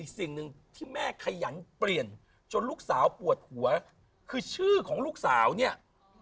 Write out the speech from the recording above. สิ่งหนึ่งที่แม่ขยันเปลี่ยนจนลูกสาวปวดหัวคือชื่อของลูกสาวเนี่ย